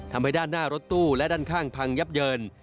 ทำให้ด้านหน้ารถตู้และด้านข้างพังยับเยิน